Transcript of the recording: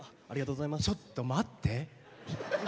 ちょっと待って。